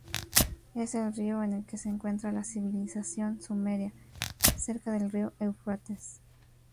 Es el río en que se encuentra la civilización sumeria, cerca del río Éufrates.